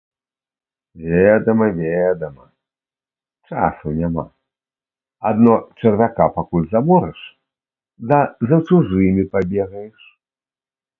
Ведама, ведама, часу няма, адно чарвяка пакуль заморыш да за чужымі пабегаеш.